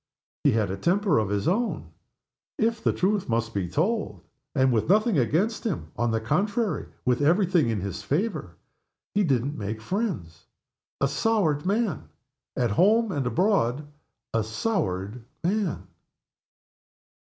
He had a temper of his own, if the truth must be told; and with nothing against him on the contrary, with every thing in his favor he didn't make friends. A soured man. At home and abroad, a soured man.